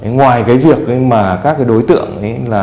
ngoài cái việc mà các đối tượng